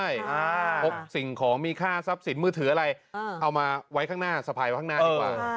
พบสิ่งของมีค่าทรัพย์สินมือถืออะไรเอามาไว้ข้างหน้าสะพายไว้ข้างหน้าดีกว่า